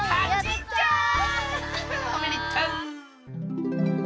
おめでとう！